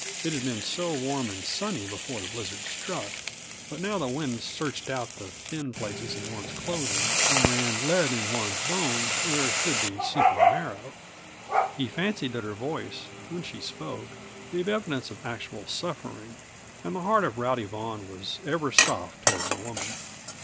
It had been so warm and sunny before the blizzard struck, but now the wind searched out the thin places in one's clothing and ran lead in one's bones, where should be simply marrow. He fancied that her voice, when she spoke, gave evidence of actual suffering and the heart of Rowdy Vaughan was ever soft toward a woman.